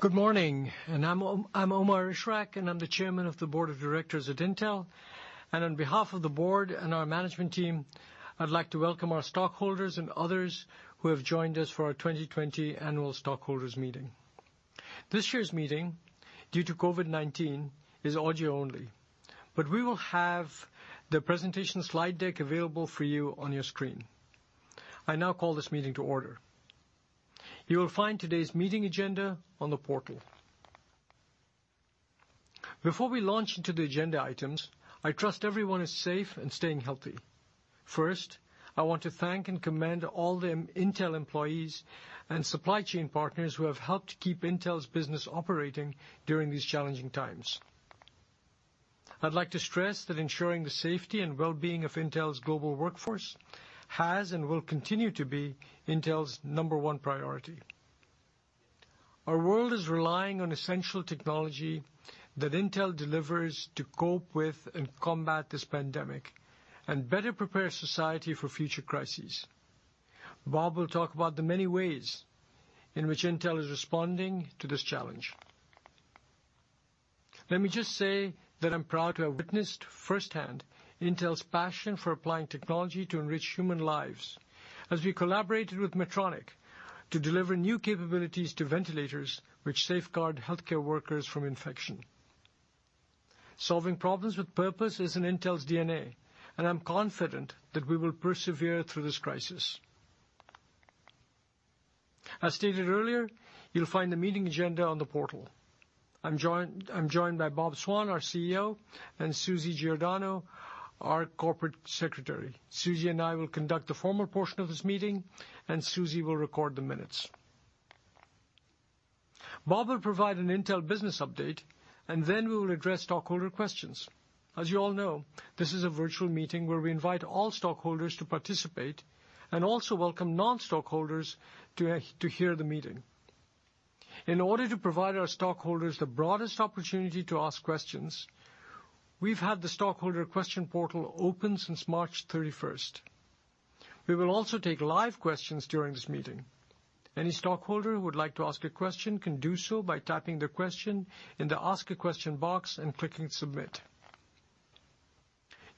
Good morning. I'm Omar Ishrak, and I'm the Chairman of the Board of Directors at Intel. On behalf of the board and our management team, I'd like to welcome our stockholders and others who have joined us for our 2020 Annual Stockholders Meeting. This year's meeting, due to COVID-19, is audio only, but we will have the presentation slide deck available for you on your screen. I now call this meeting to order. You will find today's meeting agenda on the portal. Before we launch into the agenda items, I trust everyone is safe and staying healthy. First, I want to thank and commend all the Intel employees and supply chain partners who have helped keep Intel's business operating during these challenging times. I'd like to stress that ensuring the safety and well-being of Intel's global workforce has and will continue to be Intel's number one priority. Our world is relying on essential technology that Intel delivers to cope with and combat this pandemic and better prepare society for future crises. Bob will talk about the many ways in which Intel is responding to this challenge. Let me just say that I'm proud to have witnessed firsthand Intel's passion for applying technology to enrich human lives, as we collaborated with Medtronic to deliver new capabilities to ventilators, which safeguard healthcare workers from infection. Solving problems with purpose is in Intel's DNA, and I'm confident that we will persevere through this crisis. As stated earlier, you'll find the meeting agenda on the portal. I'm joined by Bob Swan, our CEO, and Susie Giordano, our Corporate Secretary. Susie and I will conduct the formal portion of this meeting, and Susie will record the minutes. Bob will provide an Intel business update, and then we will address stockholder questions. As you all know, this is a virtual meeting where we invite all stockholders to participate and also welcome non-stockholders to hear the meeting. In order to provide our stockholders the broadest opportunity to ask questions, we've had the stockholder question portal open since March 31st. We will also take live questions during this meeting. Any stockholder who would like to ask a question can do so by typing the question in the Ask a Question box and clicking Submit.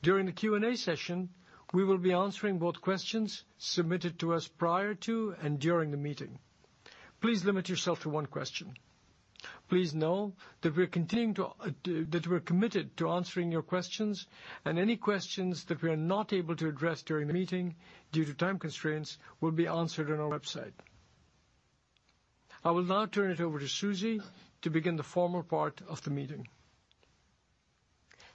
During the Q&A session, we will be answering both questions submitted to us prior to and during the meeting. Please limit yourself to one question. Please know that we're committed to answering your questions, and any questions that we are not able to address during the meeting due to time constraints will be answered on our website. I will now turn it over to Susie to begin the formal part of the meeting.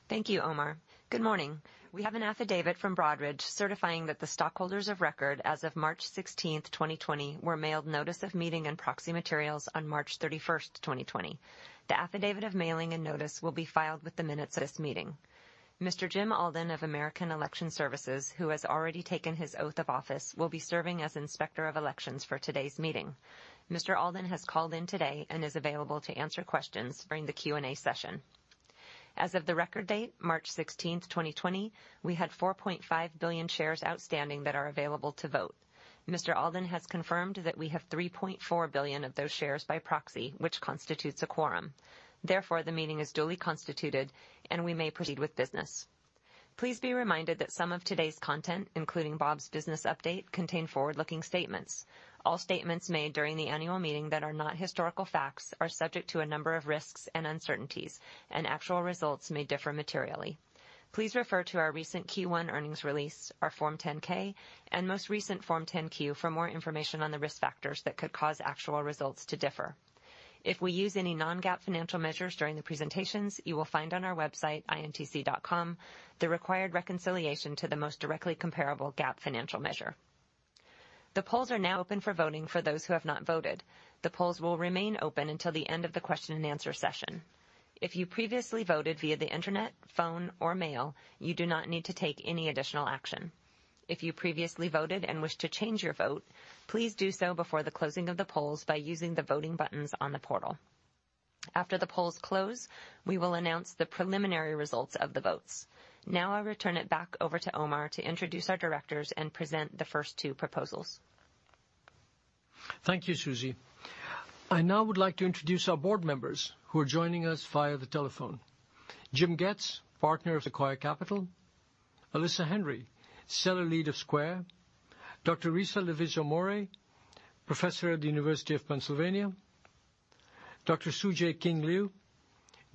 Thank you, Omar. Good morning. We have an affidavit from Broadridge certifying that the stockholders of record as of March 16th, 2020, were mailed notice of meeting and proxy materials on March 31st, 2020. The affidavit of mailing and notice will be filed with the minutes of this meeting. Mr. Jim Alden of American Election Services, who has already taken his oath of office, will be serving as Inspector of Elections for today's meeting. Mr. Alden has called in today and is available to answer questions during the Q&A session. As of the record date, March 16th, 2020, we had 4.5 billion shares outstanding that are available to vote. Mr. Alden has confirmed that we have 3.4 billion of those shares by proxy, which constitutes a quorum. The meeting is duly constituted, and we may proceed with business. Please be reminded that some of today's content, including Bob's business update, contain forward-looking statements. All statements made during the annual meeting that are not historical facts are subject to a number of risks and uncertainties, and actual results may differ materially. Please refer to our recent Q1 earnings release, our Form 10-K, and most recent Form 10-Q for more information on the risk factors that could cause actual results to differ. If we use any non-GAAP financial measures during the presentations, you will find on our website, intc.com, the required reconciliation to the most directly comparable GAAP financial measure. The polls are now open for voting for those who have not voted. The polls will remain open until the end of the question and answer session. If you previously voted via the internet, phone, or mail, you do not need to take any additional action. If you previously voted and wish to change your vote, please do so before the closing of the polls by using the voting buttons on the portal. After the polls close, we will announce the preliminary results of the votes. I return it back over to Omar to introduce our directors and present the first two proposals. Thank you, Suzy. I now would like to introduce our board members who are joining us via the telephone. Jim Goetz, Partner of Sequoia Capital. Alyssa Henry, Seller Lead of Square. Dr. Risa Lavizzo-Mourey, Professor at the University of Pennsylvania. Dr. Tsu-Jae King Liu,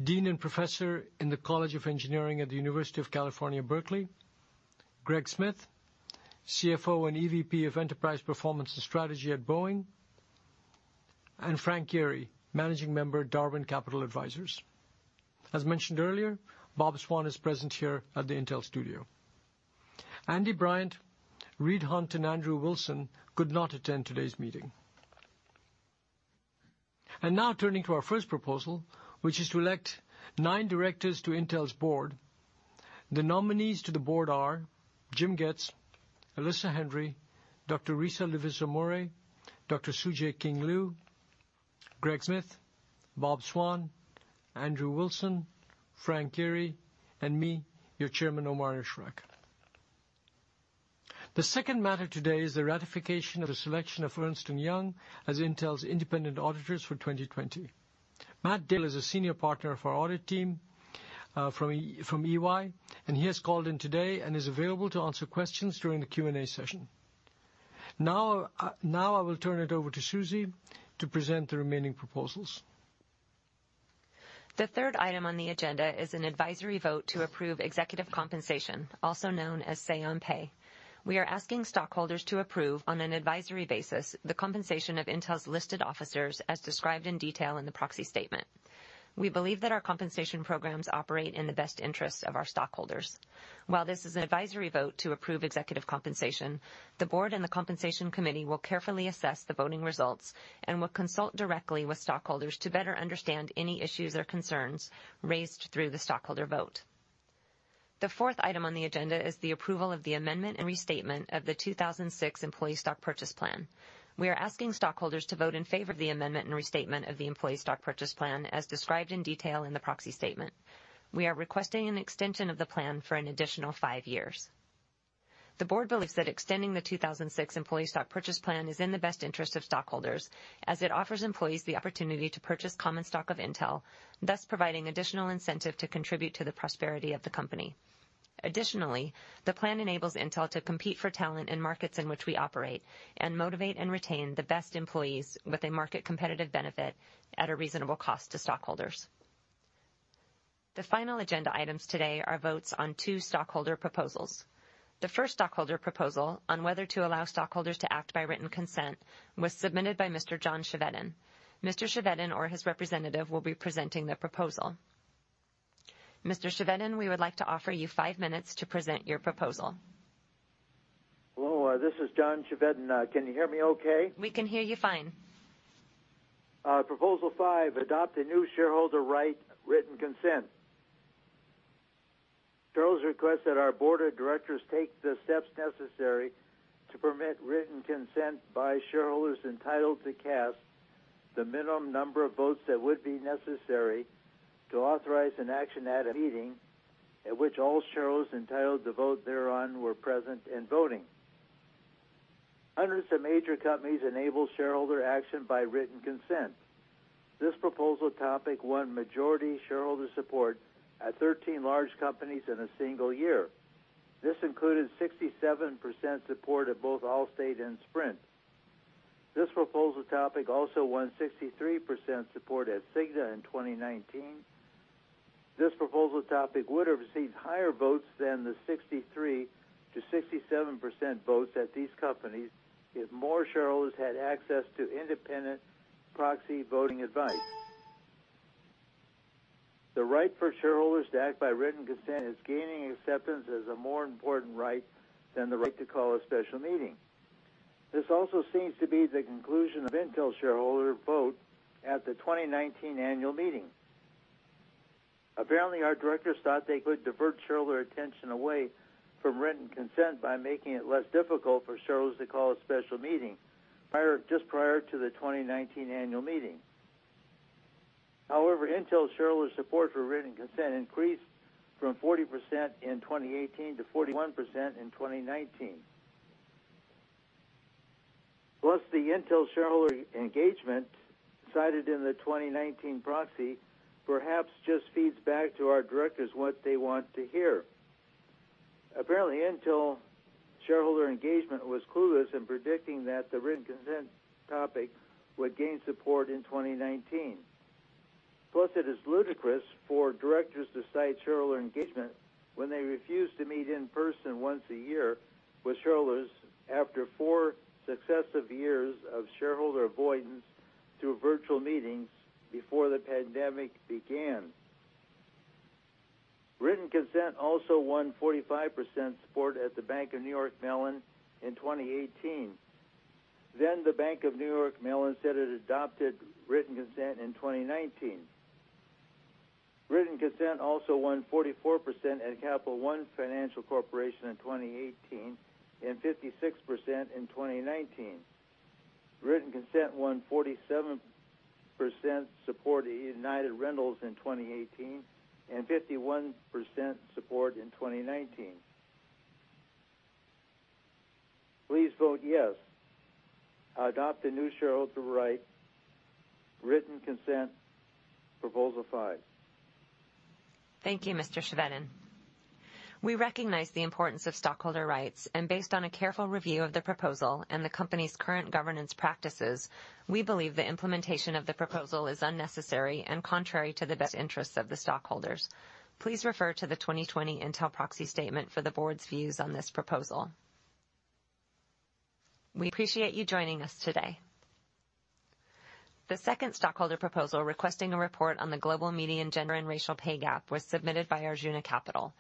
Dean and Professor in the College of Engineering at the University of California, Berkeley. Greg Smith, CFO and EVP of Enterprise Performance and Strategy at Boeing. Frank Yeary, Managing Member, Darwin Capital Advisors. As mentioned earlier, Bob Swan is present here at the Intel studio. Andy Bryant, Reed Hundt, and Andrew Wilson could not attend today's meeting. Now turning to our first proposal, which is to elect nine directors to Intel's board. The nominees to the board are Jim Goetz, Alyssa Henry, Dr. Risa Lavizzo-Mourey, Dr. Tsu-Jae King Liu, Greg Smith, Bob Swan, Andrew Wilson, Frank Yeary, and me, your Chairman, Omar Ishrak. The second matter today is the ratification of the selection of Ernst & Young as Intel's independent auditors for 2020. Matt Dale is a senior partner of our audit team from EY, he has called in today and is available to answer questions during the Q&A session. I will turn it over to Susie to present the remaining proposals. The third item on the agenda is an advisory vote to approve executive compensation, also known as say on pay. We are asking stockholders to approve, on an advisory basis, the compensation of Intel's listed officers as described in detail in the proxy statement. We believe that our compensation programs operate in the best interests of our stockholders. While this is an advisory vote to approve executive compensation, the board and the compensation committee will carefully assess the voting results and will consult directly with stockholders to better understand any issues or concerns raised through the stockholder vote. The fourth item on the agenda is the approval of the amendment and restatement of the 2006 Employee Stock Purchase Plan. We are asking stockholders to vote in favor of the amendment and restatement of the Employee Stock Purchase Plan, as described in detail in the proxy statement. We are requesting an extension of the plan for an additional five years. The board believes that extending the 2006 Employee Stock Purchase Plan is in the best interest of stockholders as it offers employees the opportunity to purchase common stock of Intel, thus providing additional incentive to contribute to the prosperity of the company. Additionally, the plan enables Intel to compete for talent in markets in which we operate and motivate and retain the best employees with a market-competitive benefit at a reasonable cost to stockholders. The final agenda items today are votes on two stockholder proposals. The first stockholder proposal on whether to allow stockholders to act by written consent was submitted by Mr. John Chevedden. Mr. Chevedden or his representative will be presenting the proposal. Mr. Chevedden, we would like to offer you five minutes to present your proposal. Hello, this is John Chevedden. Can you hear me okay? We can hear you fine. Proposal five, adopt a new shareholder right, written consent. Shareholders request that our board of directors take the steps necessary to permit written consent by shareholders entitled to cast the minimum number of votes that would be necessary to authorize an action at a meeting at which all shareholders entitled to vote thereon were present and voting. Hundreds of major companies enable shareholder action by written consent. This proposal topic won majority shareholder support at 13 large companies in a single year. Included 67% support at both Allstate and Sprint. This proposal topic also won 63% support at Cigna in 2019. This proposal topic would have received higher votes than the 63%-67% votes at these companies if more shareholders had access to independent proxy voting advice. The right for shareholders to act by written consent is gaining acceptance as a more important right than the right to call a special meeting. This also seems to be the conclusion of Intel shareholder vote at the 2019 annual meeting. Apparently, our directors thought they could divert shareholder attention away from written consent by making it less difficult for shareholders to call a special meeting just prior to the 2019 annual meeting. However, Intel shareholder support for written consent increased from 40% in 2018 to 41% in 2019. Plus, the Intel shareholder engagement cited in the 2019 proxy perhaps just feeds back to our directors what they want to hear. Apparently, Intel shareholder engagement was clueless in predicting that the written consent topic would gain support in 2019. It is ludicrous for directors to cite shareholder engagement when they refuse to meet in person once a year with shareholders after four successive years of shareholder avoidance through virtual meetings before the pandemic began. Written consent also won 45% support at The Bank of New York Mellon in 2018. The Bank of New York Mellon said it adopted written consent in 2019. Written consent also won 44% at Capital One Financial Corporation in 2018 and 56% in 2019. Written consent won 47% support at United Rentals, Inc. in 2018 and 51% support in 2019. Please vote yes. Adopt a new shareholder right, written consent, proposal five. Thank you, Mr. Chevedden. We recognize the importance of stockholder rights, and based on a careful review of the proposal and the company's current governance practices, we believe the implementation of the proposal is unnecessary and contrary to the best interests of the stockholders. Please refer to the 2020 Intel proxy statement for the board's views on this proposal. We appreciate you joining us today. The second stockholder proposal, requesting a report on the global median gender and racial pay gap, was submitted by Arjuna Capital.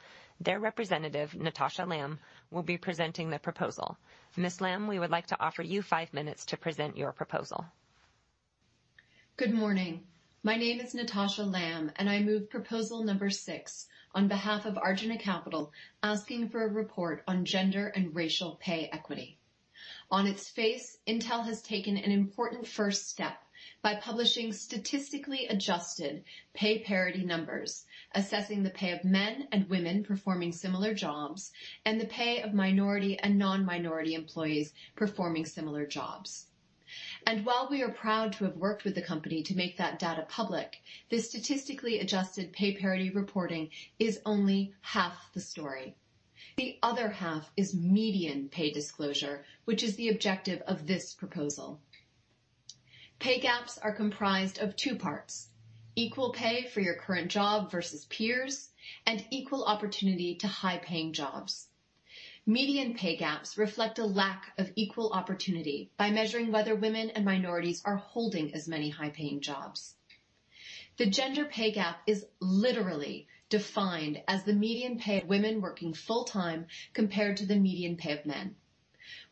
Their representative, Natasha Lamb, will be presenting the proposal. Ms. Lamb, we would like to offer you five minutes to present your proposal. Good morning. My name is Natasha Lamb, and I move proposal number six on behalf of Arjuna Capital, asking for a report on gender and racial pay equity. On its face, Intel has taken an important first step by publishing statistically adjusted pay parity numbers, assessing the pay of men and women performing similar jobs, and the pay of minority and non-minority employees performing similar jobs. While we are proud to have worked with the company to make that data public, the statistically adjusted pay parity reporting is only half the story. The other half is median pay disclosure, which is the objective of this proposal. Pay gaps are comprised of two parts, equal pay for your current job versus peers and equal opportunity to high-paying jobs. Median pay gaps reflect a lack of equal opportunity by measuring whether women and minorities are holding as many high-paying jobs. The gender pay gap is literally defined as the median pay of women working full-time compared to the median pay of men.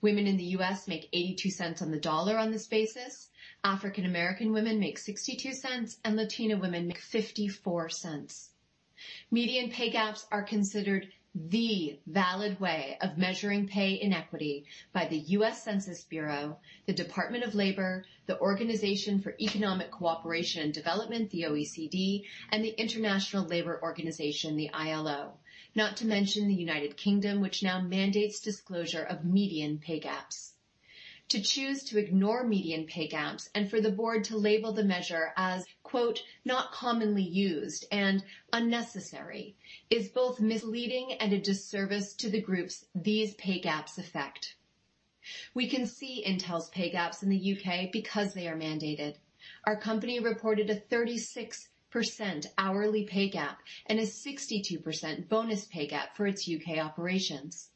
Women in the U.S. make $0.82 on the dollar on this basis, African American women make $0.62, and Latina women make $0.54. Median pay gaps are considered the valid way of measuring pay inequity by the U.S. Census Bureau, the Department of Labor, the Organization for Economic Cooperation and Development, the OECD, and the International Labor Organization, the ILO. Not to mention the United Kingdom, which now mandates disclosure of median pay gaps. To choose to ignore median pay gaps and for the board to label the measure as, quote, "Not commonly used and unnecessary" is both misleading and a disservice to the groups these pay gaps affect. We can see Intel's pay gaps in the U.K. because they are mandated. Our company reported a 36% hourly pay gap and a 62% bonus pay gap for its U.K. operations.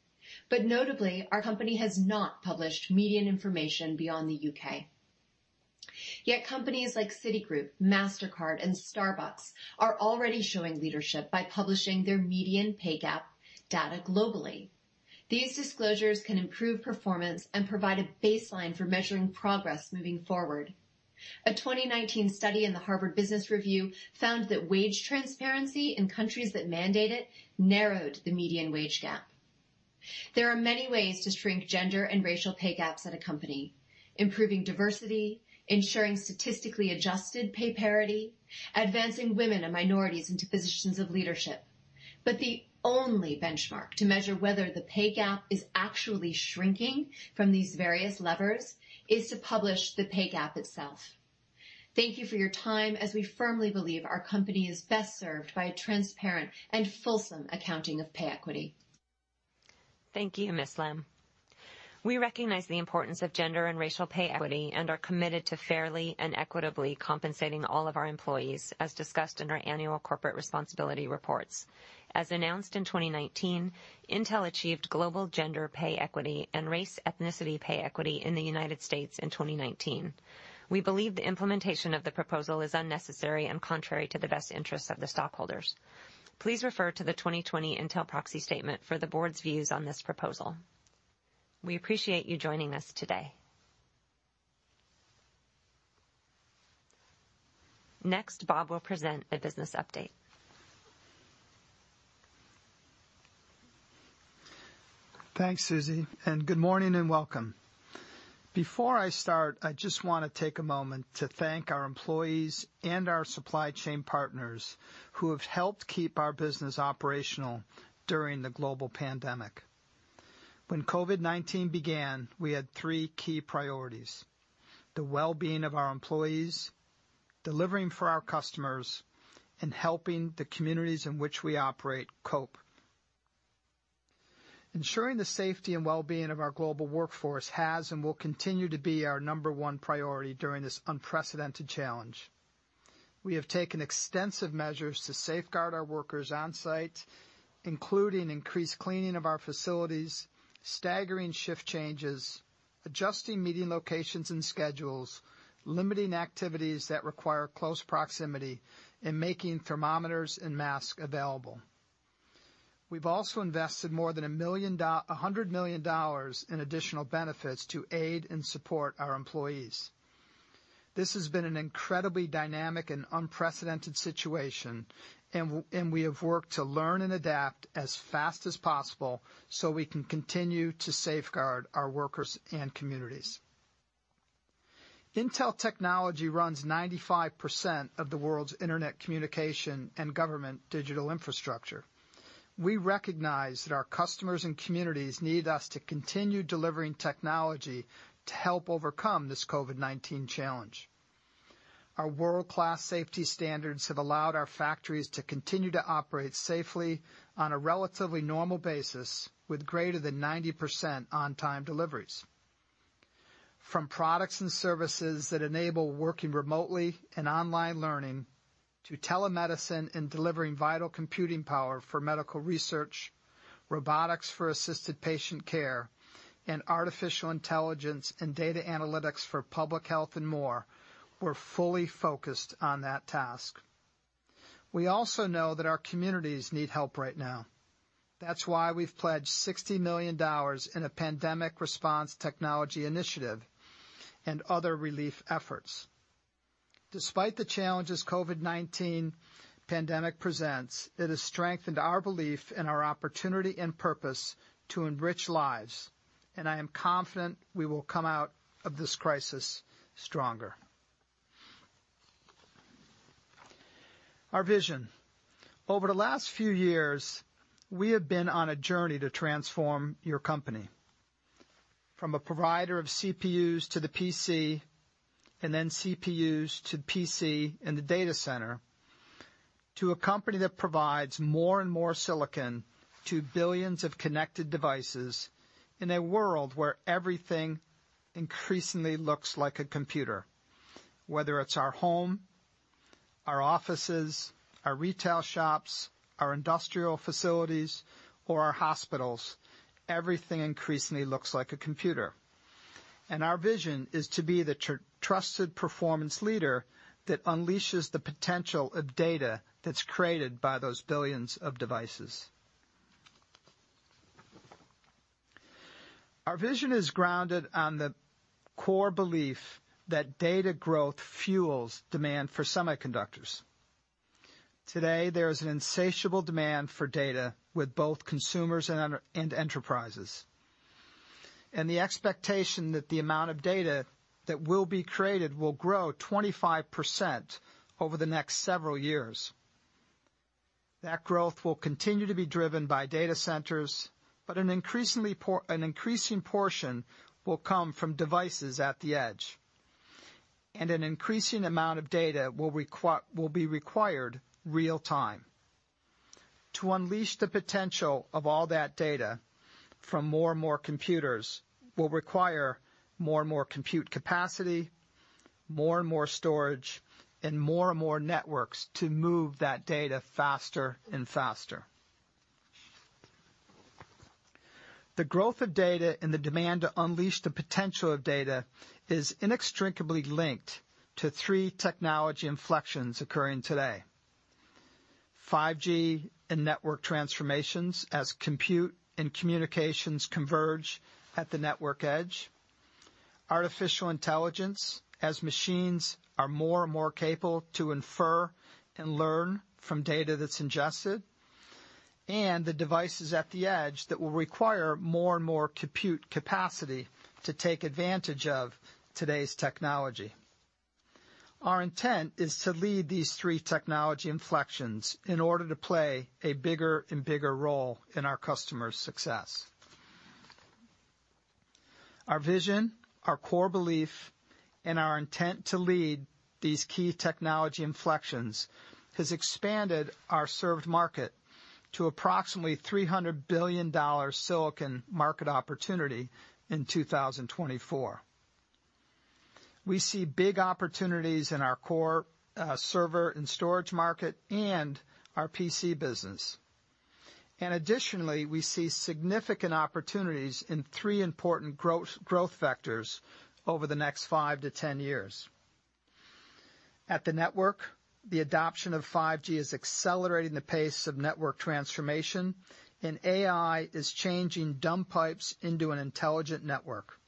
Notably, our company has not published median information beyond the U.K. Companies like Citigroup, Mastercard, and Starbucks are already showing leadership by publishing their median pay gap data globally. These disclosures can improve performance and provide a baseline for measuring progress moving forward. A 2019 study in the Harvard Business Review found that wage transparency in countries that mandate it narrowed the median wage gap. There are many ways to shrink gender and racial pay gaps at a company, improving diversity, ensuring statistically adjusted pay parity, advancing women and minorities into positions of leadership. The only benchmark to measure whether the pay gap is actually shrinking from these various levers is to publish the pay gap itself. Thank you for your time, as we firmly believe our company is best served by a transparent and fulsome accounting of pay equity. Thank you, Ms. Lamb. We recognize the importance of gender and racial pay equity and are committed to fairly and equitably compensating all of our employees, as discussed in our annual corporate responsibility reports. As announced in 2019, Intel achieved global gender pay equity and race ethnicity pay equity in the United States in 2019. We believe the implementation of the proposal is unnecessary and contrary to the best interests of the stockholders. Please refer to the 2020 Intel proxy statement for the board's views on this proposal. We appreciate you joining us today. Next, Bob will present a business update. Thanks, Susie, and good morning and welcome. Before I start, I just want to take a moment to thank our employees and our supply chain partners who have helped keep our business operational during the global pandemic. When COVID-19 began, we had three key priorities, the well-being of our employees, delivering for our customers, and helping the communities in which we operate cope. Ensuring the safety and well-being of our global workforce has and will continue to be our number one priority during this unprecedented challenge. We have taken extensive measures to safeguard our workers on site, including increased cleaning of our facilities, staggering shift changes, adjusting meeting locations and schedules, limiting activities that require close proximity, and making thermometers and masks available. We've also invested more than $100 million in additional benefits to aid and support our employees. This has been an incredibly dynamic and unprecedented situation, and we have worked to learn and adapt as fast as possible so we can continue to safeguard our workers and communities. Intel technology runs 95% of the world's internet communication and government digital infrastructure. We recognize that our customers and communities need us to continue delivering technology to help overcome this COVID-19 challenge. Our world-class safety standards have allowed our factories to continue to operate safely on a relatively normal basis with greater than 90% on-time deliveries. From products and services that enable working remotely and online learning to telemedicine and delivering vital computing power for medical research, robotics for assisted patient care, and artificial intelligence and data analytics for public health and more, we're fully focused on that task. We also know that our communities need help right now. That's why we've pledged $60 million in a Pandemic Response Technology Initiative and other relief efforts. Despite the challenges COVID-19 pandemic presents, it has strengthened our belief and our opportunity and purpose to enrich lives, and I am confident we will come out of this crisis stronger. Our vision. Over the last few years, we have been on a journey to transform your company from a provider of CPUs to the PC, and then CPUs to PC and the data center, to a company that provides more and more silicon to billions of connected devices in a world where everything increasingly looks like a computer, whether it's our home, our offices, our retail shops, our industrial facilities, or our hospitals. Our vision is to be the trusted performance leader that unleashes the potential of data that's created by those billions of devices. Our vision is grounded on the core belief that data growth fuels demand for semiconductors. Today, there is an insatiable demand for data with both consumers and enterprises, and the expectation that the amount of data that will be created will grow 25% over the next several years. That growth will continue to be driven by data centers, but an increasing portion will come from devices at the edge, and an increasing amount of data will be required real time. To unleash the potential of all that data from more and more computers will require more and more compute capacity, more and more storage, and more and more networks to move that data faster and faster. The growth of data and the demand to unleash the potential of data is inextricably linked to three technology inflections occurring today. 5G and network transformations as compute and communications converge at the network edge. Artificial intelligence as machines are more and more capable to infer and learn from data that's ingested, and the devices at the edge that will require more and more compute capacity to take advantage of today's technology. Our intent is to lead these three technology inflections in order to play a bigger and bigger role in our customers' success. Our vision, our core belief, and our intent to lead these key technology inflections has expanded our served market to approximately $300 billion silicon market opportunity in 2024. We see big opportunities in our core server and storage market and our PC business. Additionally, we see significant opportunities in three important growth vectors over the next five to 10 years. At the network, the adoption of 5G is accelerating the pace of network transformation. AI is changing dumb pipes into an intelligent network.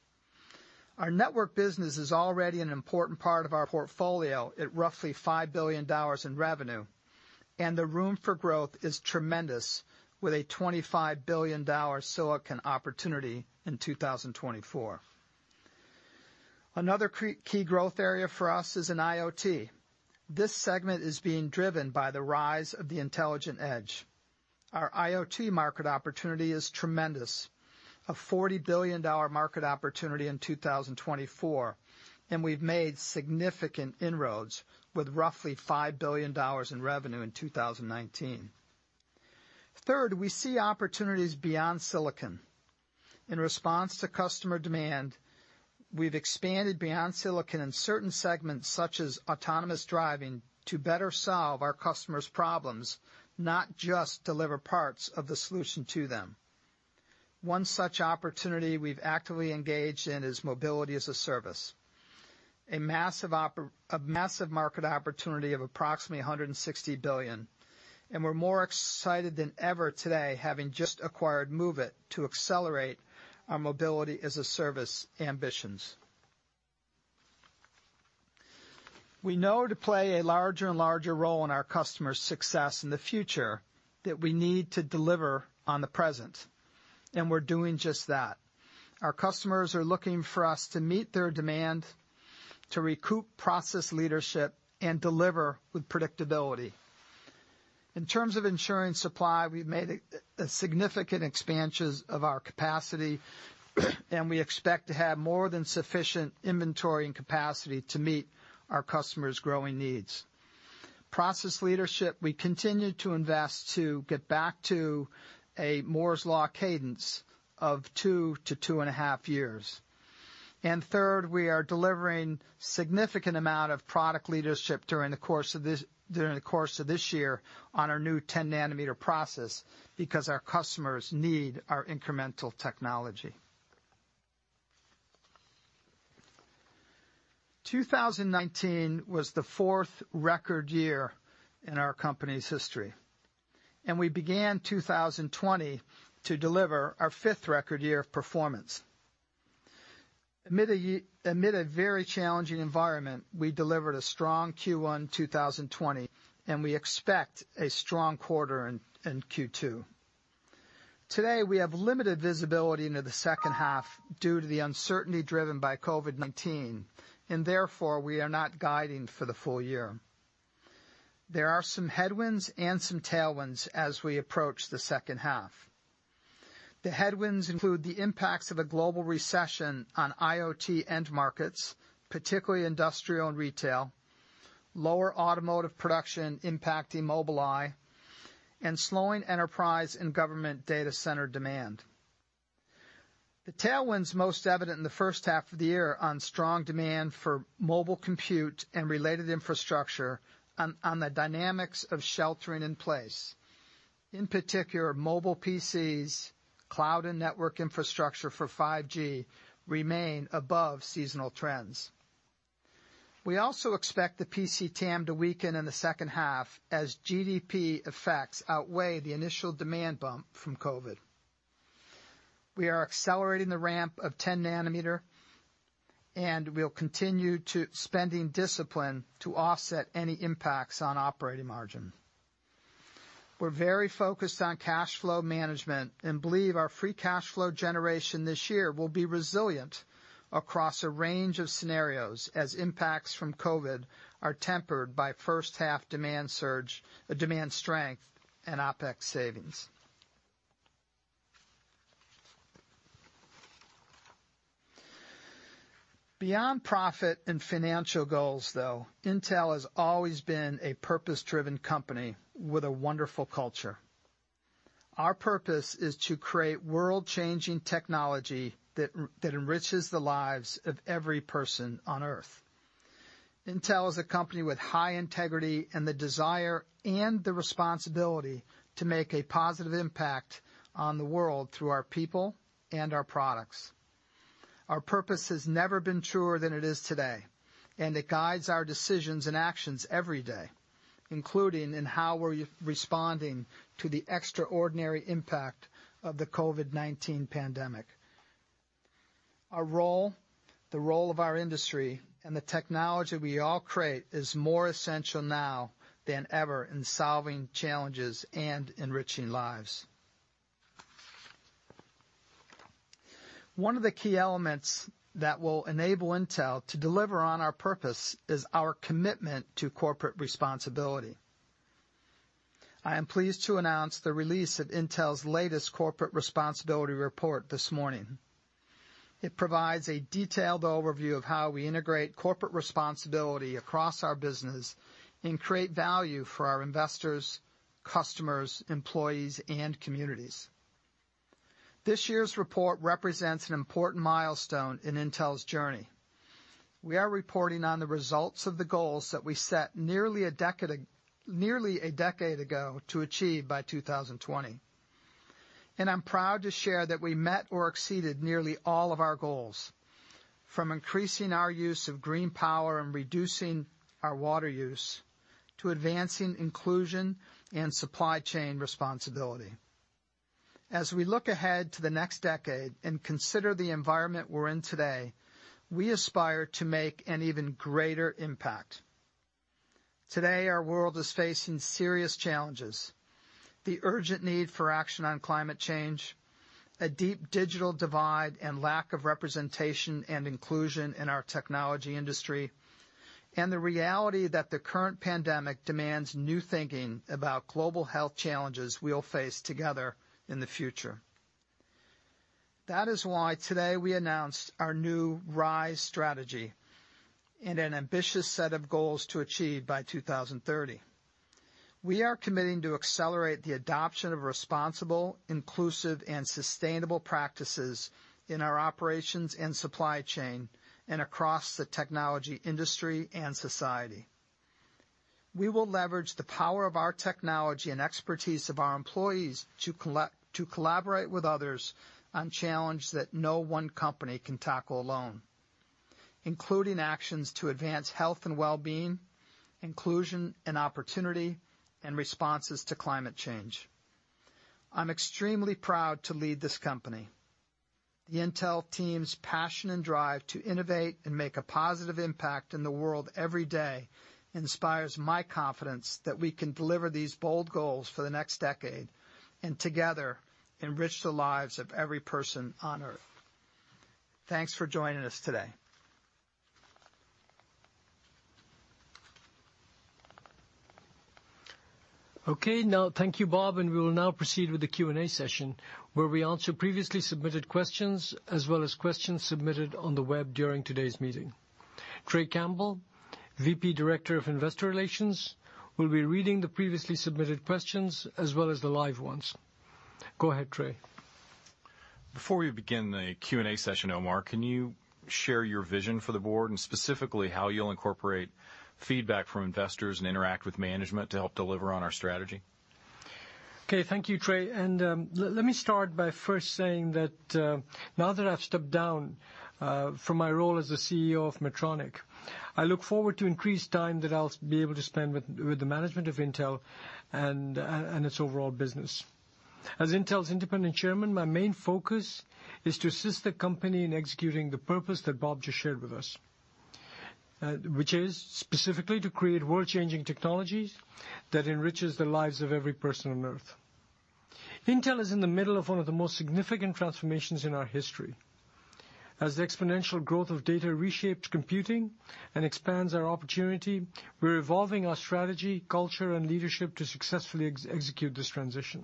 Our network business is already an important part of our portfolio at roughly $5 billion in revenue. The room for growth is tremendous with a $25 billion silicon opportunity in 2024. Another key growth area for us is in IoT. This segment is being driven by the rise of the intelligent edge. Our IoT market opportunity is tremendous. A $40 billion market opportunity in 2024. We've made significant inroads with roughly $5 billion in revenue in 2019. Third, we see opportunities beyond silicon. In response to customer demand, we've expanded beyond silicon in certain segments such as autonomous driving to better solve our customers' problems, not just deliver parts of the solution to them. One such opportunity we've actively engaged in is mobility as a service, a massive market opportunity of approximately $160 billion, and we're more excited than ever today, having just acquired Moovit, to accelerate our mobility as a service ambitions. We know to play a larger and larger role in our customers' success in the future that we need to deliver on the present, and we're doing just that. Our customers are looking for us to meet their demand, to recoup process leadership and deliver with predictability. In terms of ensuring supply, we've made significant expansions of our capacity, and we expect to have more than sufficient inventory and capacity to meet our customers' growing needs. Process leadership, we continue to invest to get back to a Moore's Law cadence of 2 to 2.5 years. Third, we are delivering significant amount of product leadership during the course of this year on our new 10 nanometer process because our customers need our incremental technology. 2019 was the fourth record year in our company's history. We began 2020 to deliver our fifth record year of performance. Amid a very challenging environment, we delivered a strong Q1 2020, and we expect a strong quarter in Q2. Today, we have limited visibility into the second half due to the uncertainty driven by COVID-19, and therefore, we are not guiding for the full year. There are some headwinds and some tailwinds as we approach the second half. The headwinds include the impacts of a global recession on IoT end markets, particularly industrial and retail, lower automotive production impacting Mobileye, and slowing enterprise and government data center demand. The tailwind's most evident in the first half of the year on strong demand for mobile compute and related infrastructure on the dynamics of sheltering in place. In particular, mobile PCs, cloud, and network infrastructure for 5G remain above seasonal trends. We also expect the PC TAM to weaken in the second half as GDP effects outweigh the initial demand bump from COVID. We are accelerating the ramp of 10 nanometer, and we'll continue spending discipline to offset any impacts on operating margin. We're very focused on cash flow management and believe our free cash flow generation this year will be resilient across a range of scenarios as impacts from COVID are tempered by first-half demand strength, and OpEx savings. Beyond profit and financial goals, though, Intel has always been a purpose-driven company with a wonderful culture. Our purpose is to create world-changing technology that enriches the lives of every person on Earth. Intel is a company with high integrity and the desire and the responsibility to make a positive impact on the world through our people and our products. Our purpose has never been truer than it is today. It guides our decisions and actions every day, including in how we're responding to the extraordinary impact of the COVID-19 pandemic. Our role, the role of our industry, the technology we all create is more essential now than ever in solving challenges and enriching lives. One of the key elements that will enable Intel to deliver on our purpose is our commitment to corporate responsibility. I am pleased to announce the release of Intel's latest corporate responsibility report this morning. It provides a detailed overview of how we integrate corporate responsibility across our business and create value for our investors, customers, employees, and communities. This year's report represents an important milestone in Intel's journey. We are reporting on the results of the goals that we set nearly a decade ago to achieve by 2020, and I'm proud to share that we met or exceeded nearly all of our goals, from increasing our use of green power and reducing our water use to advancing inclusion and supply chain responsibility. As we look ahead to the next decade and consider the environment we're in today, we aspire to make an even greater impact. Today, our world is facing serious challenges, the urgent need for action on climate change, a deep digital divide, and lack of representation and inclusion in our technology industry, and the reality that the current pandemic demands new thinking about global health challenges we'll face together in the future. That is why today we announced our new RISE strategy and an ambitious set of goals to achieve by 2030. We are committing to accelerate the adoption of responsible, inclusive, and sustainable practices in our operations and supply chain and across the technology industry and society. We will leverage the power of our technology and expertise of our employees to collaborate with others on challenges that no one company can tackle alone, including actions to advance health and well-being, inclusion and opportunity, and responses to climate change. I'm extremely proud to lead this company. The Intel team's passion and drive to innovate and make a positive impact in the world every day inspires my confidence that we can deliver these bold goals for the next decade, and together enrich the lives of every person on Earth. Thanks for joining us today. Thank you, Bob. We will now proceed with the Q&A session where we answer previously submitted questions as well as questions submitted on the web during today's meeting. Trey Campbell, VP Director of Investor Relations, will be reading the previously submitted questions as well as the live ones. Go ahead, Trey. Before we begin the Q&A session, Omar, can you share your vision for the board, and specifically how you'll incorporate feedback from investors and interact with management to help deliver on our strategy? Okay. Thank you, Trey. Let me start by first saying that now that I've stepped down from my role as the CEO of Medtronic, I look forward to increased time that I'll be able to spend with the management of Intel and its overall business. As Intel's independent Chairman, my main focus is to assist the company in executing the purpose that Bob just shared with us, which is specifically to create world-changing technologies that enriches the lives of every person on Earth. Intel is in the middle of one of the most significant transformations in our history. As the exponential growth of data reshapes computing and expands our opportunity, we're evolving our strategy, culture, and leadership to successfully execute this transition.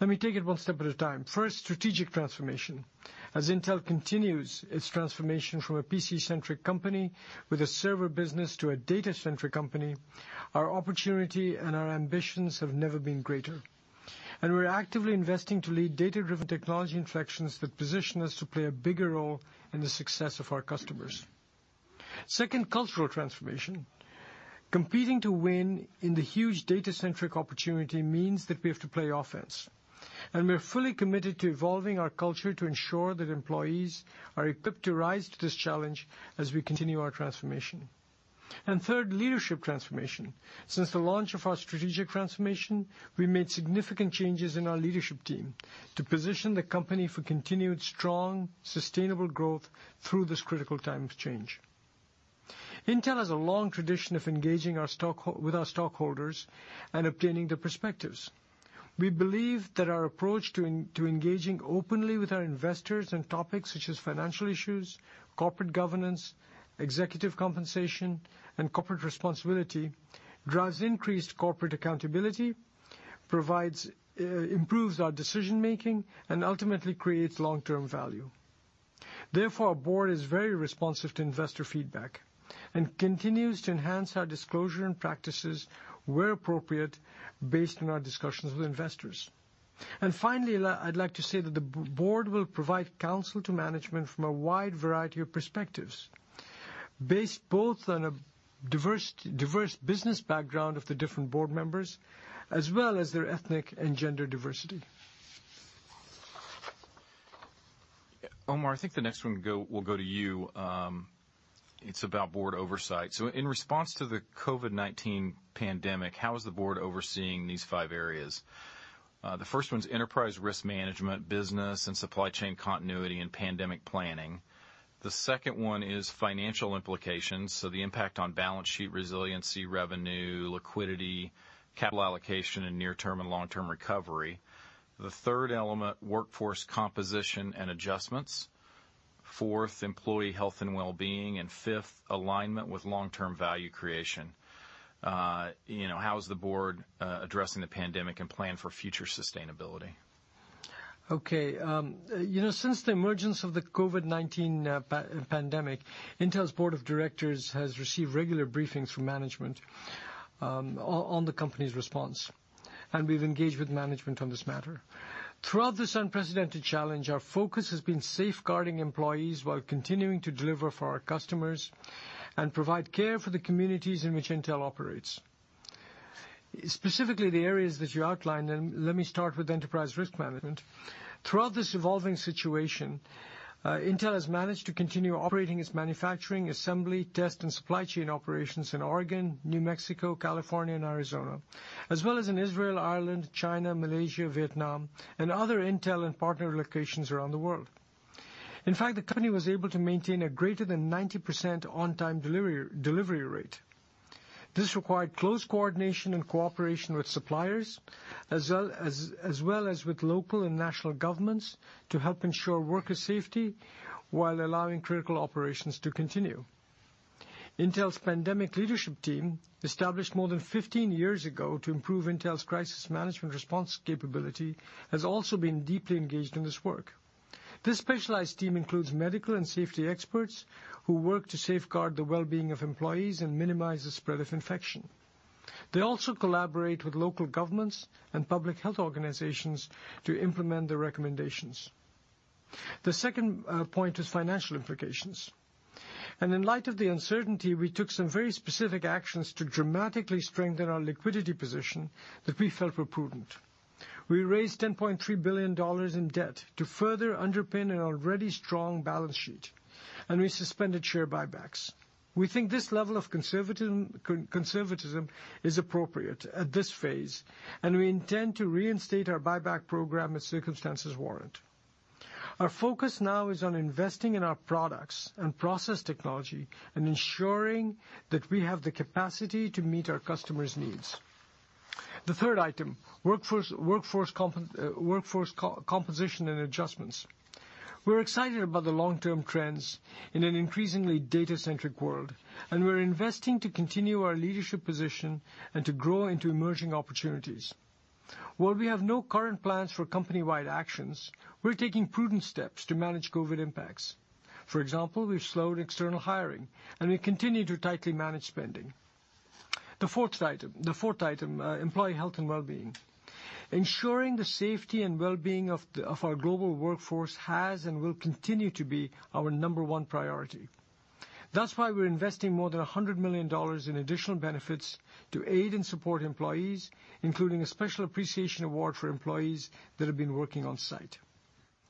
Let me take it one step at a time. First, strategic transformation. As Intel continues its transformation from a PC-centric company with a server business to a data-centric company, our opportunity and our ambitions have never been greater. We're actively investing to lead data-driven technology inflections that position us to play a bigger role in the success of our customers. Second, cultural transformation. Competing to win in the huge data-centric opportunity means that we have to play offense, and we're fully committed to evolving our culture to ensure that employees are equipped to rise to this challenge as we continue our transformation. Third, leadership transformation. Since the launch of our strategic transformation, we made significant changes in our leadership team to position the company for continued strong, sustainable growth through this critical time of change. Intel has a long tradition of engaging with our stockholders and obtaining their perspectives. We believe that our approach to engaging openly with our investors on topics such as financial issues, corporate governance, executive compensation, and corporate responsibility drives increased corporate accountability, improves our decision-making, and ultimately creates long-term value. Therefore, our board is very responsive to investor feedback and continues to enhance our disclosure and practices where appropriate based on our discussions with investors. Finally, I'd like to say that the board will provide counsel to management from a wide variety of perspectives, based both on a diverse business background of the different board members, as well as their ethnic and gender diversity. Omar, I think the next one will go to you. It's about board oversight. In response to the COVID-19 pandemic, how is the board overseeing these five areas? The first one's enterprise risk management, business and supply chain continuity, and pandemic planning. The second one is financial implications, the impact on balance sheet resiliency, revenue, liquidity, capital allocation, and near-term and long-term recovery. The third element, workforce composition and adjustments. Fourth, employee health and well-being, and fifth, alignment with long-term value creation. How is the board addressing the pandemic and plan for future sustainability? Since the emergence of the COVID-19 pandemic, Intel's board of directors has received regular briefings from management on the company's response, and we've engaged with management on this matter. Throughout this unprecedented challenge, our focus has been safeguarding employees while continuing to deliver for our customers and provide care for the communities in which Intel operates. Specifically, the areas that you outlined, and let me start with enterprise risk management. Throughout this evolving situation, Intel has managed to continue operating its manufacturing, assembly, test, and supply chain operations in Oregon, New Mexico, California, and Arizona, as well as in Israel, Ireland, China, Malaysia, Vietnam, and other Intel and partner locations around the world. In fact, the company was able to maintain a greater than 90% on-time delivery rate. This required close coordination and cooperation with suppliers, as well as with local and national governments to help ensure worker safety while allowing critical operations to continue. Intel's pandemic leadership team, established more than 15 years ago to improve Intel's crisis management response capability, has also been deeply engaged in this work. This specialized team includes medical and safety experts who work to safeguard the well-being of employees and minimize the spread of infection. They also collaborate with local governments and public health organizations to implement their recommendations. The second point is financial implications. In light of the uncertainty, we took some very specific actions to dramatically strengthen our liquidity position that we felt were prudent. We raised $10.3 billion in debt to further underpin an already strong balance sheet. We suspended share buybacks. We think this level of conservatism is appropriate at this phase, and we intend to reinstate our buyback program as circumstances warrant. Our focus now is on investing in our products and process technology and ensuring that we have the capacity to meet our customers' needs. The third item, workforce composition and adjustments. We're excited about the long-term trends in an increasingly data-centric world, and we're investing to continue our leadership position and to grow into emerging opportunities. While we have no current plans for company-wide actions, we're taking prudent steps to manage COVID-19 impacts. For example, we've slowed external hiring, and we continue to tightly manage spending. The fourth item, employee health and well-being. Ensuring the safety and well-being of our global workforce has and will continue to be our number one priority. That's why we're investing more than $100 million in additional benefits to aid and support employees, including a special appreciation award for employees that have been working on-site.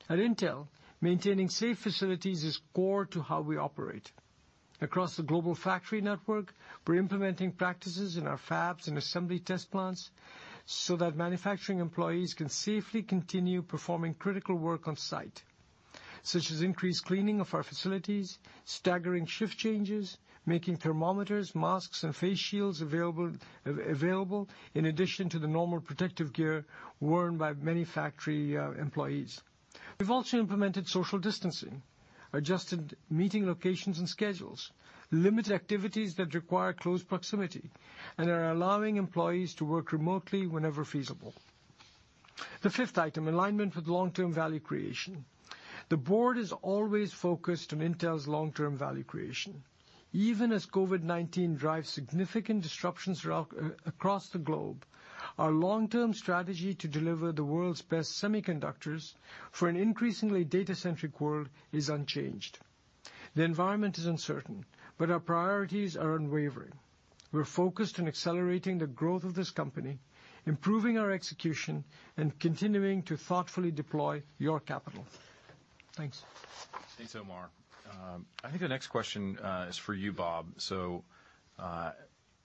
At Intel, maintaining safe facilities is core to how we operate. Across the global factory network, we're implementing practices in our fabs and assembly test plants so that manufacturing employees can safely continue performing critical work on-site, such as increased cleaning of our facilities, staggering shift changes, making thermometers, masks, and face shields available, in addition to the normal protective gear worn by many factory employees. We've also implemented social distancing, adjusted meeting locations and schedules, limited activities that require close proximity, and are allowing employees to work remotely whenever feasible. The fifth item, alignment with long-term value creation. The board is always focused on Intel's long-term value creation. Even as COVID-19 drives significant disruptions across the globe, our long-term strategy to deliver the world's best semiconductors for an increasingly data-centric world is unchanged. The environment is uncertain. Our priorities are unwavering. We're focused on accelerating the growth of this company, improving our execution, and continuing to thoughtfully deploy your capital. Thanks. Thanks, Omar. I think the next question is for you, Bob.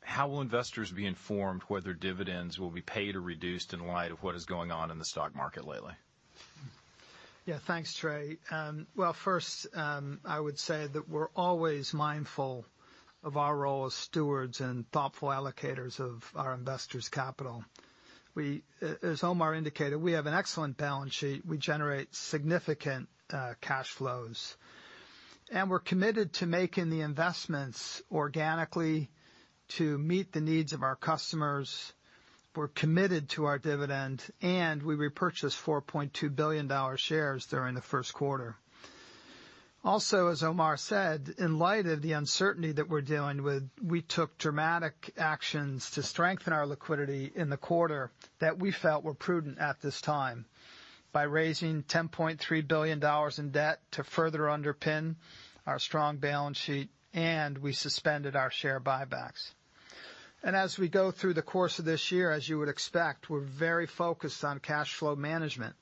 How will investors be informed whether dividends will be paid or reduced in light of what is going on in the stock market lately? Yeah. Thanks, Trey. Well, first, I would say that we're always mindful of our role as stewards and thoughtful allocators of our investors' capital. As Omar indicated, we have an excellent balance sheet. We generate significant cash flows, and we're committed to making the investments organically to meet the needs of our customers. We're committed to our dividend, and we repurchased $4.2 billion shares during the first quarter. Also, as Omar said, in light of the uncertainty that we're dealing with, we took dramatic actions to strengthen our liquidity in the quarter that we felt were prudent at this time, by raising $10.3 billion in debt to further underpin our strong balance sheet, and we suspended our share buybacks. As we go through the course of this year, as you would expect, we're very focused on cash flow management.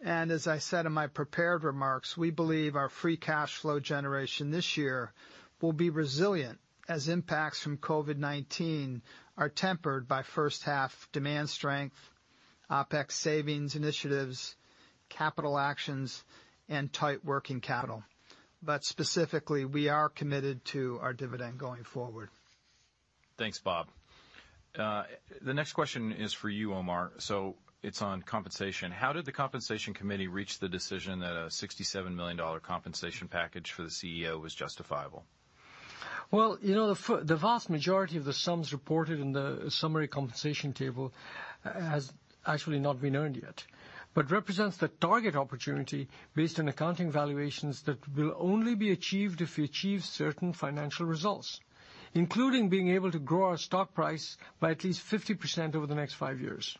As I said in my prepared remarks, we believe our free cash flow generation this year will be resilient as impacts from COVID-19 are tempered by first half demand strength, OpEx savings initiatives, capital actions, and tight working capital. Specifically, we are committed to our dividend going forward. Thanks, Bob. The next question is for you, Omar. It's on compensation. How did the compensation committee reach the decision that a $67 million compensation package for the CEO was justifiable? Well, the vast majority of the sums reported in the summary compensation table has actually not been earned yet, but represents the target opportunity based on accounting valuations that will only be achieved if we achieve certain financial results, including being able to grow our stock price by at least 50% over the next five years.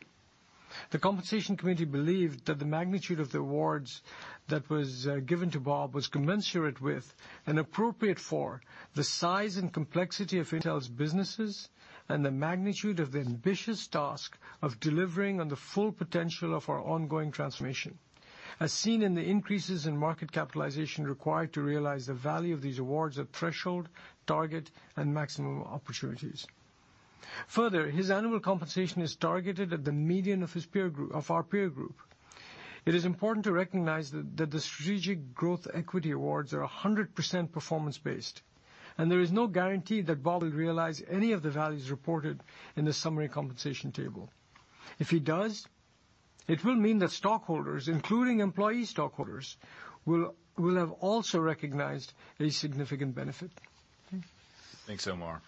The Compensation Committee believed that the magnitude of the awards that was given to Bob was commensurate with and appropriate for the size and complexity of Intel's businesses, and the magnitude of the ambitious task of delivering on the full potential of our ongoing transformation, as seen in the increases in market capitalization required to realize the value of these awards at threshold, target, and maximum opportunities. His annual compensation is targeted at the median of our peer group. It is important to recognize that the strategic growth equity awards are 100% performance-based. There is no guarantee that Bob will realize any of the values reported in the summary compensation table. If he does, it will mean that stockholders, including employee stockholders, will have also recognized a significant benefit. Thanks, Omar.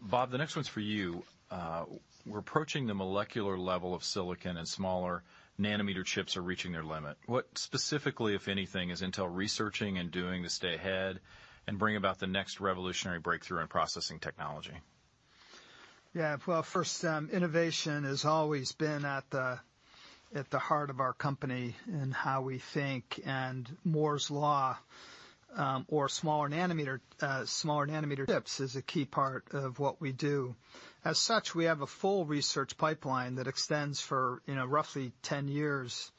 Bob, the next one's for you. We're approaching the molecular level of silicon, and smaller nanometer chips are reaching their limit. What specifically, if anything, is Intel researching and doing to stay ahead and bring about the next revolutionary breakthrough in processing technology? Yeah. Well, first, innovation has always been at the heart of our company and how we think, and Moore's Law, or smaller nanometer chips is a key part of what we do. As such, we have a full research pipeline that extends for roughly 10 years.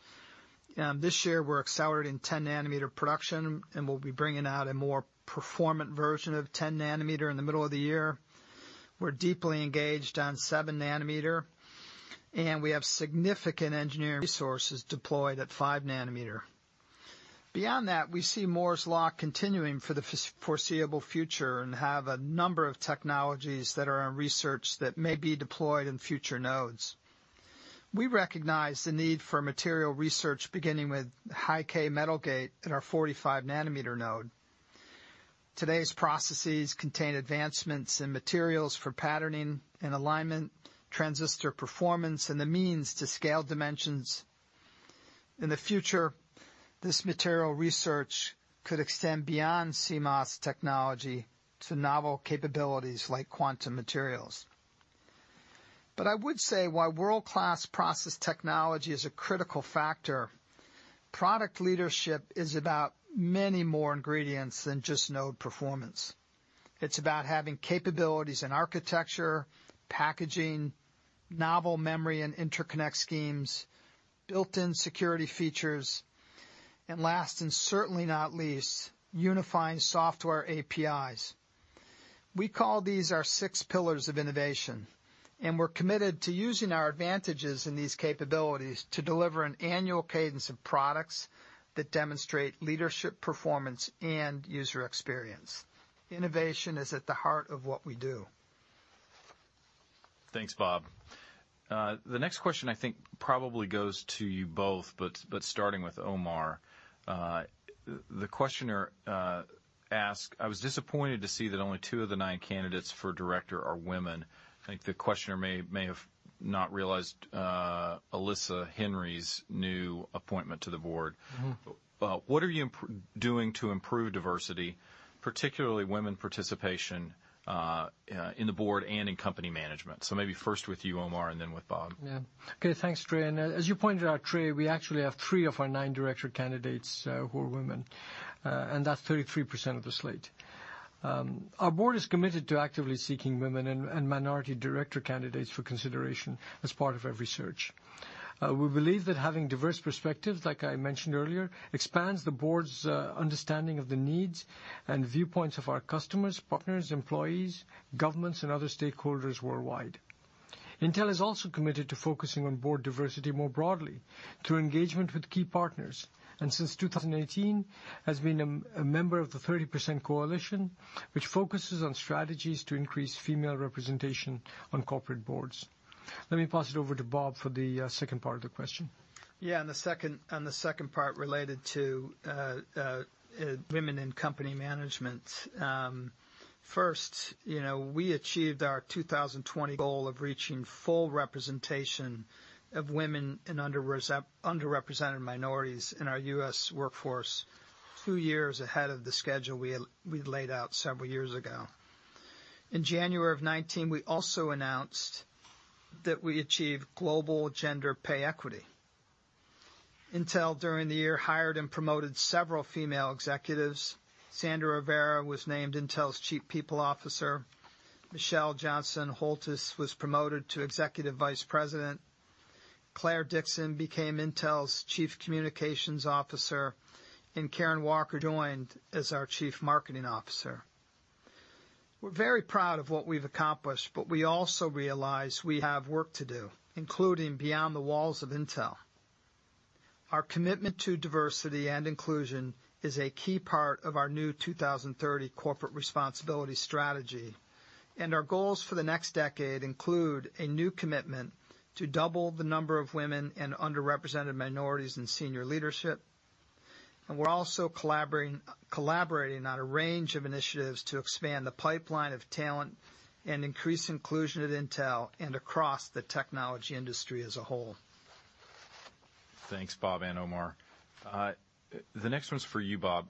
This year, we're accelerating 10-nanometer production, and we'll be bringing out a more performant version of 10-nanometer in the middle of the year. We're deeply engaged on seven-nanometer, and we have significant engineering resources deployed at five nanometer. Beyond that, we see Moore's Law continuing for the foreseeable future and have a number of technologies that are in research that may be deployed in future nodes. We recognize the need for material research, beginning with High-k/Metal Gate at our 45-nanometer node. Today's processes contain advancements in materials for patterning and alignment, transistor performance, and the means to scale dimensions. In the future, this material research could extend beyond CMOS technology to novel capabilities like quantum materials. I would say, while world-class process technology is a critical factor, product leadership is about many more ingredients than just node performance. It's about having capabilities in architecture, packaging, novel memory and interconnect schemes, built-in security features, and last, and certainly not least, unifying software APIs. We call these our six pillars of innovation, and we're committed to using our advantages in these capabilities to deliver an annual cadence of products that demonstrate leadership performance and user experience. Innovation is at the heart of what we do. Thanks, Bob. The next question, I think probably goes to you both, but starting with Omar. The questioner asked, "I was disappointed to see that only two of the nine candidates for director are women." I think the questioner may have not realized Alyssa Henry's new appointment to the board. What are you doing to improve diversity, particularly women participation, in the board and in company management?" Maybe first with you, Omar, and then with Bob. Yeah. Okay. Thanks, Trey. As you pointed out, Trey, we actually have three of our nine director candidates who are women, and that's 33% of the slate. Our board is committed to actively seeking women and minority director candidates for consideration as part of every search. We believe that having diverse perspectives, like I mentioned earlier, expands the board's understanding of the needs and viewpoints of our customers, partners, employees, governments, and other stakeholders worldwide. Intel is also committed to focusing on board diversity more broadly through engagement with key partners, and since 2018, has been a member of the Thirty Percent Coalition, which focuses on strategies to increase female representation on corporate boards. Let me pass it over to Bob for the second part of the question. Yeah, the second part related to women in company management. First, we achieved our 2020 goal of reaching full representation of women and underrepresented minorities in our U.S. workforce two years ahead of the schedule we laid out several years ago. In January of 2019, we also announced that we achieved global gender pay equity. Intel, during the year, hired and promoted several female executives. Sandra Rivera was named Intel's Chief People Officer. Michelle Johnston Holthaus was promoted to Executive Vice President. Claire Dixon became Intel's Chief Communications Officer, and Karen Walker joined as our Chief Marketing Officer. We're very proud of what we've accomplished, but we also realize we have work to do, including beyond the walls of Intel. Our commitment to diversity and inclusion is a key part of our new 2030 corporate responsibility strategy, and our goals for the next decade include a new commitment to double the number of women and underrepresented minorities in senior leadership. We're also collaborating on a range of initiatives to expand the pipeline of talent and increase inclusion at Intel and across the technology industry as a whole. Thanks, Bob and Omar. The next one's for you, Bob.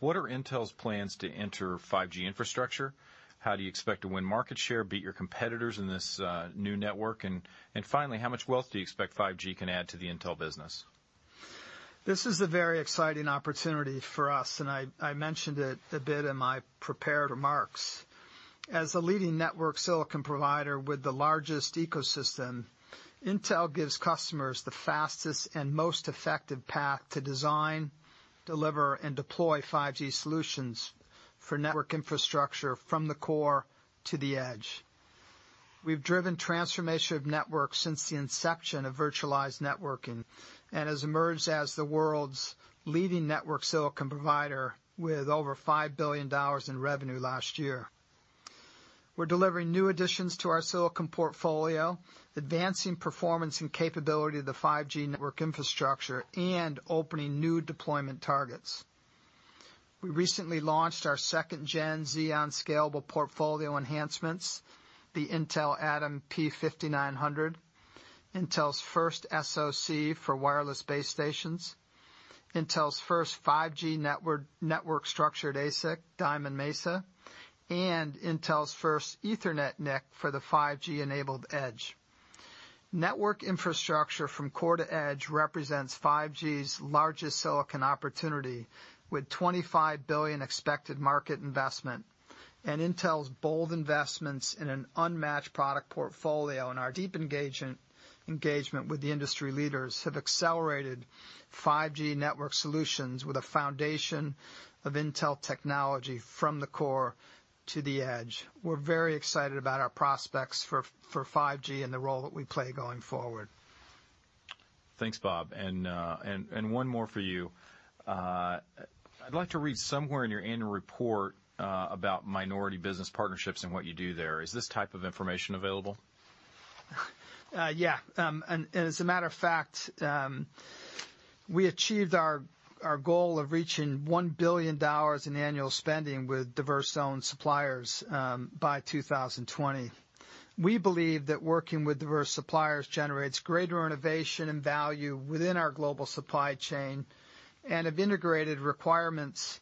What are Intel's plans to enter 5G infrastructure? How do you expect to win market share, beat your competitors in this new network? Finally, how much wealth do you expect 5G can add to the Intel business? This is a very exciting opportunity for us, and I mentioned it a bit in my prepared remarks. As a leading network silicon provider with the largest ecosystem, Intel gives customers the fastest and most effective path to design, deliver, and deploy 5G solutions for network infrastructure from the core to the edge. We've driven transformation of networks since the inception of virtualized networking and has emerged as the world's leading network silicon provider with over $5 billion in revenue last year. We're delivering new additions to our silicon portfolio, advancing performance and capability of the 5G network infrastructure, and opening new deployment targets. We recently launched our second gen Xeon scalable portfolio enhancements, the Intel Atom P5900, Intel's first SoC for wireless base stations, Intel's first 5G network structured ASIC, Diamond Mesa, and Intel's first Ethernet NIC for the 5G-enabled edge. Network infrastructure from core to edge represents 5G's largest silicon opportunity, with $25 billion expected market investment, and Intel's bold investments in an unmatched product portfolio, and our deep engagement with the industry leaders have accelerated 5G network solutions with a foundation of Intel technology from the core to the edge. We're very excited about our prospects for 5G and the role that we play going forward. Thanks, Bob. One more for you. I'd like to read somewhere in your annual report about minority business partnerships and what you do there. Is this type of information available? Yeah. As a matter of fact, we achieved our goal of reaching $1 billion in annual spending with diverse-owned suppliers by 2020. We believe that working with diverse suppliers generates greater innovation and value within our global supply chain, and have integrated requirements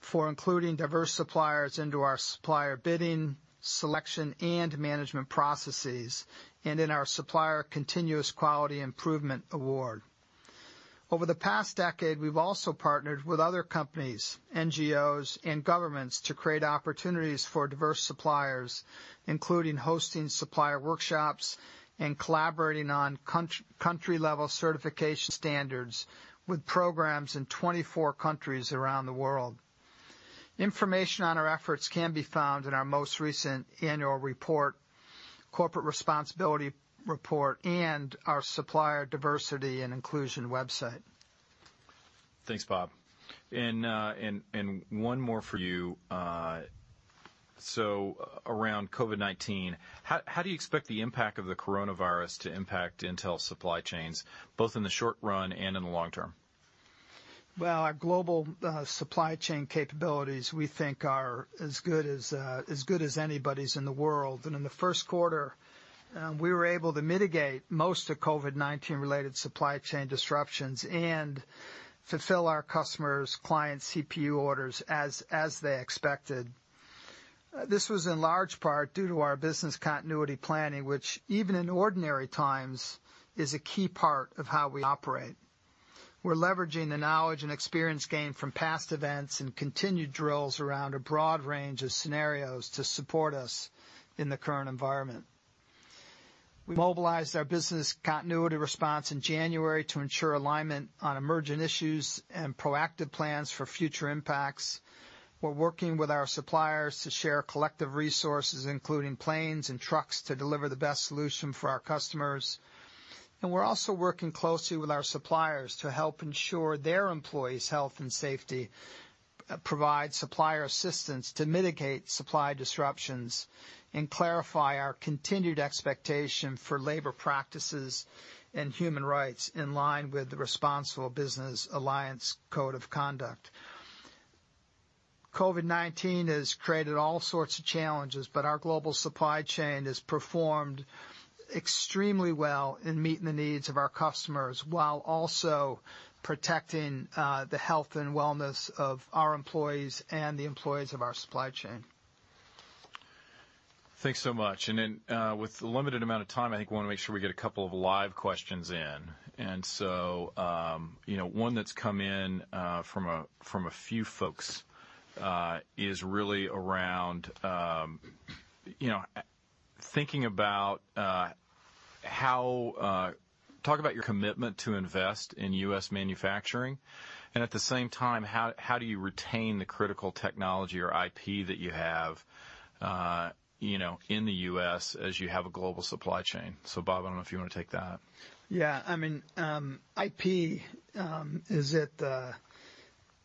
for including diverse suppliers into our supplier bidding, selection, and management processes, and in our Supplier Continuous Quality Improvement Award. Over the past decade, we've also partnered with other companies, NGOs, and governments to create opportunities for diverse suppliers, including hosting supplier workshops and collaborating on country-level certification standards with programs in 24 countries around the world. Information on our efforts can be found in our most recent annual report, corporate responsibility report, and our supplier diversity and inclusion website. Thanks, Bob. One more for you. Around COVID-19, how do you expect the impact of the coronavirus to impact Intel supply chains, both in the short run and in the long term? Well, our global supply chain capabilities, we think, are as good as anybody's in the world. In the first quarter, we were able to mitigate most of COVID-19 related supply chain disruptions and fulfill our customers' client CPU orders as they expected. This was in large part due to our business continuity planning, which even in ordinary times, is a key part of how we operate. We're leveraging the knowledge and experience gained from past events and continued drills around a broad range of scenarios to support us in the current environment. We mobilized our business continuity response in January to ensure alignment on emerging issues and proactive plans for future impacts. We're working with our suppliers to share collective resources, including planes and trucks, to deliver the best solution for our customers. We're also working closely with our suppliers to help ensure their employees' health and safety, provide supplier assistance to mitigate supply disruptions, and clarify our continued expectation for labor practices and human rights in line with the Responsible Business Alliance Code of Conduct. COVID-19 has created all sorts of challenges, but our global supply chain has performed extremely well in meeting the needs of our customers, while also protecting the health and wellness of our employees and the employees of our supply chain. Thanks so much. With the limited amount of time, I think we want to make sure we get a couple of live questions in. One that's come in from a few folks is really around thinking about talk about your commitment to invest in U.S. manufacturing and at the same time, how do you retain the critical technology or IP that you have in the U.S. as you have a global supply chain? Bob, I don't know if you want to take that. IP is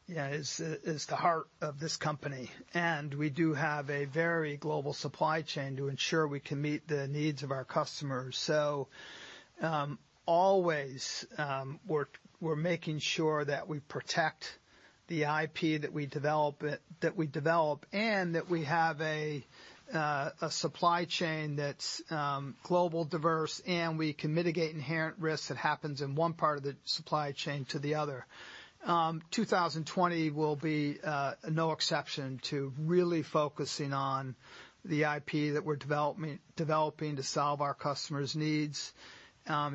the heart of this company, and we do have a very global supply chain to ensure we can meet the needs of our customers. Always we're making sure that we protect the IP that we develop, and that we have a supply chain that's global diverse, and we can mitigate inherent risks that happens in one part of the supply chain to the other. 2020 will be no exception to really focusing on the IP that we're developing to solve our customers' needs,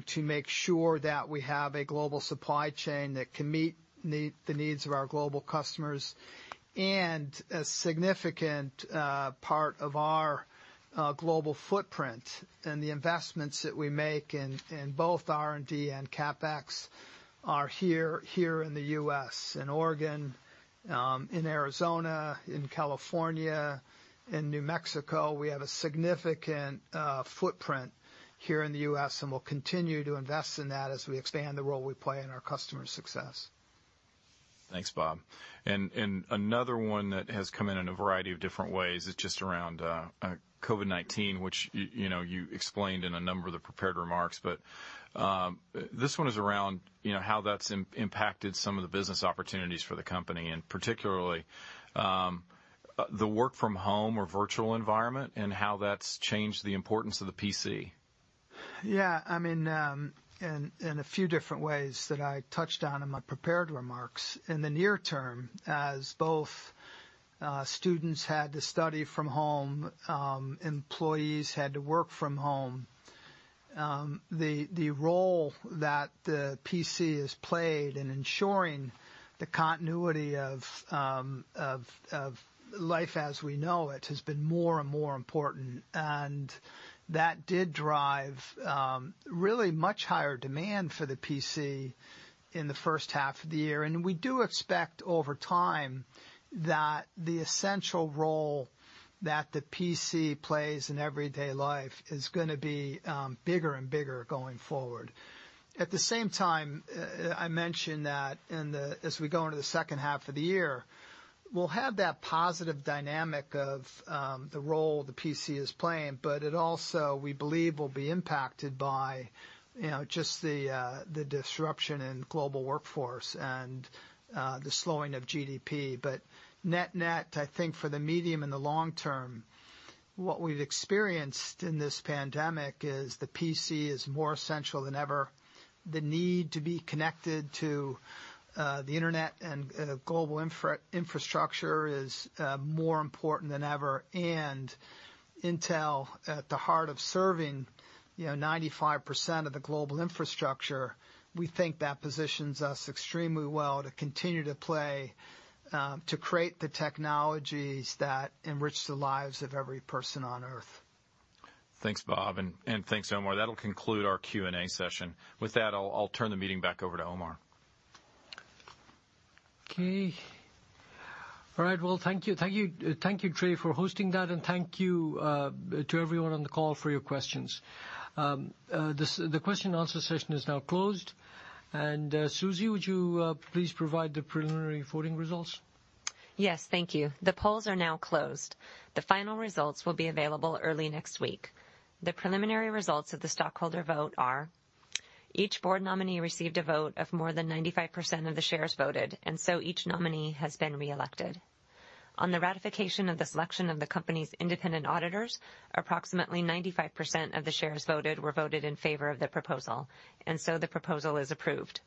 to make sure that we have a global supply chain that can meet the needs of our global customers. A significant part of our global footprint and the investments that we make in both R&D and CapEx are here in the U.S., in Oregon, in Arizona, in California, in New Mexico. We have a significant footprint here in the U.S., and we'll continue to invest in that as we expand the role we play in our customers' success. Thanks, Bob. Another one that has come in in a variety of different ways is just around COVID-19, which you explained in a number of the prepared remarks. This one is around how that's impacted some of the business opportunities for the company, particularly the work from home or virtual environment, and how that's changed the importance of the PC. Yeah. In a few different ways that I touched on in my prepared remarks. In the near term, as both students had to study from home, employees had to work from home, the role that the PC has played in ensuring the continuity of life as we know it has been more and more important. That did drive really much higher demand for the PC in the first half of the year. We do expect over time that the essential role that the PC plays in everyday life is going to be bigger and bigger going forward. At the same time, I mentioned that as we go into the second half of the year, we'll have that positive dynamic of the role the PC is playing. It also, we believe, will be impacted by just the disruption in global workforce and the slowing of GDP. Net net, I think for the medium and the long term, what we've experienced in this pandemic is the PC is more essential than ever. The need to be connected to the internet and global infrastructure is more important than ever, and Intel at the heart of serving 95% of the global infrastructure. We think that positions us extremely well to continue to play, to create the technologies that enrich the lives of every person on Earth. Thanks, Bob, and thanks, Omar. That'll conclude our Q&A session. With that, I'll turn the meeting back over to Omar. Okay. All right. Well, thank you, Trey, for hosting that, and thank you to everyone on the call for your questions. The question and answer session is now closed. Suzy, would you please provide the preliminary voting results? Yes, thank you. The polls are now closed. The final results will be available early next week. The preliminary results of the stockholder vote are: each board nominee received a vote of more than 95% of the shares voted, each nominee has been reelected. On the ratification of the selection of the company's independent auditors, approximately 95% of the shares voted were voted in favor of the proposal, the proposal is approved.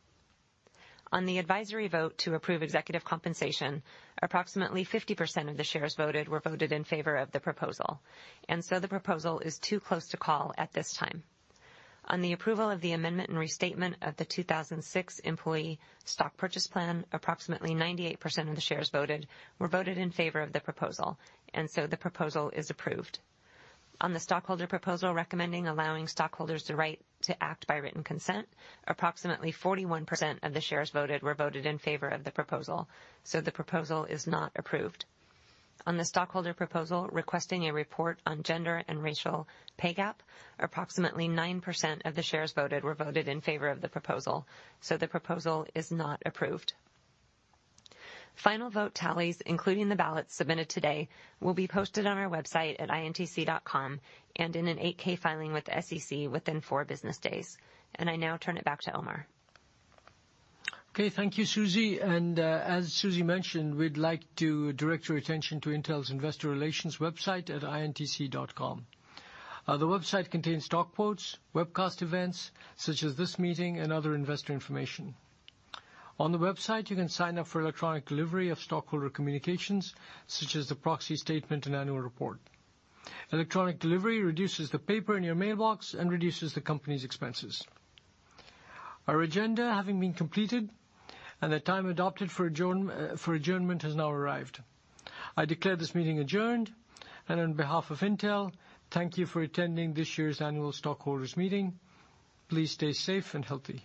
On the advisory vote to approve executive compensation, approximately 50% of the shares voted were voted in favor of the proposal, the proposal is too close to call at this time. On the approval of the amendment and restatement of the 2006 Employee Stock Purchase Plan, approximately 98% of the shares voted were voted in favor of the proposal, the proposal is approved. On the stockholder proposal recommending allowing stockholders the right to act by written consent, approximately 41% of the shares voted were voted in favor of the proposal. The proposal is not approved. On the stockholder proposal requesting a report on gender and racial pay gap, approximately 9% of the shares voted were voted in favor of the proposal. The proposal is not approved. Final vote tallies, including the ballots submitted today, will be posted on our website at intc.com and in an 8-K filing with the SEC within four business days. I now turn it back to Omar. Okay. Thank you, Suzy. As Suzy mentioned, we'd like to direct your attention to Intel's investor relations website at intc.com. The website contains stock quotes, webcast events such as this meeting, and other investor information. On the website, you can sign up for electronic delivery of stockholder communications, such as the proxy statement and annual report. Electronic delivery reduces the paper in your mailbox and reduces the company's expenses. Our agenda having been completed, and the time adopted for adjournment has now arrived. I declare this meeting adjourned, and on behalf of Intel, thank you for attending this year's annual stockholders meeting. Please stay safe and healthy.